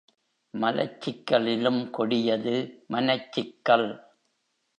மலச்சிக்கலிலும் கொடியது மனச்சிக்கல்.